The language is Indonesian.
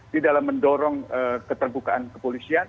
di dalam mendorong keterbukaan kepolisian